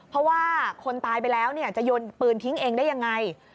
เพราะว่าคนตายไปแล้วจะโยนปืนทิ้งเองได้ยังไง